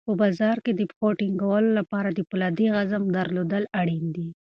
په بازار کې د پښو ټینګولو لپاره د فولادي عزم درلودل اړین دي.